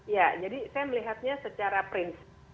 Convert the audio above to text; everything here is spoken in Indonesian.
ya jadi saya melihatnya secara prinsip